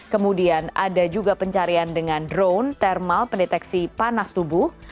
kemudian ada juga pencarian dengan drone thermal pendeteksi panas tubuh